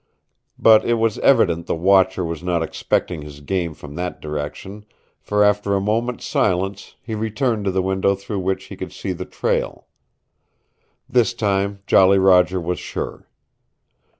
But it was evident the watcher was not expecting his game from that direction, for after a moment's silence he returned to the window through which he could see the trail. This time Jolly Roger was sure.